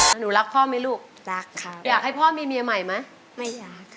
หนูรักพ่อมั้ยลูกรักค่ะอยากให้พ่อมีเมียใหม่มั้ยไม่อยาก